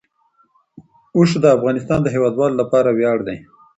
اوښ د افغانستان د هیوادوالو لپاره ویاړ دی.